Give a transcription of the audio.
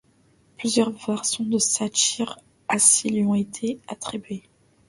Plusieurs versions de satyre assis lui ont été attribuées.